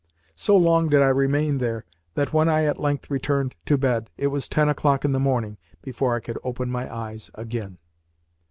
So long did I remain there that, when I at length returned to bed, it was ten o'clock in the morning before I could open my eyes again.